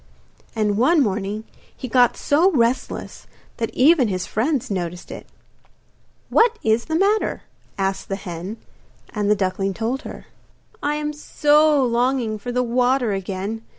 And one morning he got so restless that even his friends noticed it. 'What is the matter?' asked the hen; and the duckling told her. 'I am so longing for the water again.